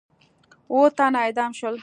اووه تنه اعدام شول.